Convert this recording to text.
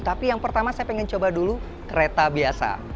tapi yang pertama saya ingin coba dulu kereta biasa